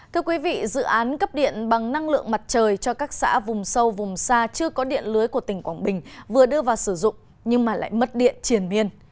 thưa quý vị dự án cấp điện bằng năng lượng mặt trời cho các xã vùng sâu vùng xa chưa có điện lưới của tỉnh quảng bình vừa đưa vào sử dụng nhưng lại mất điện triển biên